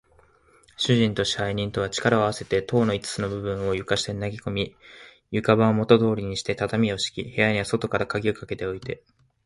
主人と支配人とは、力をあわせて塔の五つの部分を床下に投げこみ、床板をもとどおりにして、畳をしき、部屋には外からかぎをかけておいて、